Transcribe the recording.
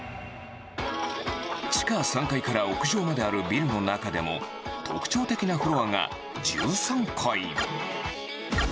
地下３階から屋上まであるビルの中でも、特徴的なフロアが１３階。